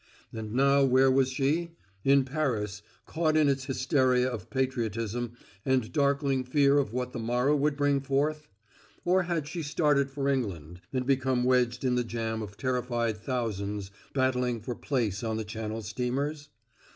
And now where was she? In Paris, caught in its hysteria of patriotism and darkling fear of what the morrow would bring forth? Or had she started for England, and become wedged in the jam of terrified thousands battling for place on the Channel steamers?